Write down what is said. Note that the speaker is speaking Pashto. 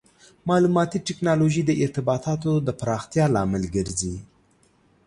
مالوماتي ټکنالوژي د ارتباطاتو د پراختیا لامل ګرځي.